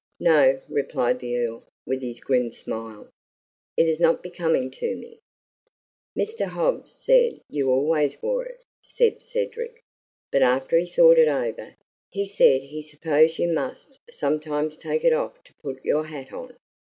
"No," replied the Earl, with his grim smile; "it is not becoming to me." "Mr. Hobbs said you always wore it," said Cedric; "but after he thought it over, he said he supposed you must sometimes take it off to put your hat on."